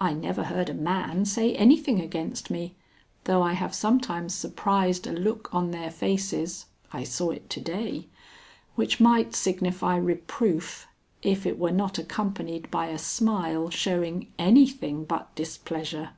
I never heard a man say anything against me, though I have sometimes surprised a look on their faces (I saw it to day) which might signify reproof if it were not accompanied by a smile showing anything but displeasure.